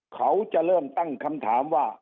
เขาจะเริ่มตั้งคำถามว่า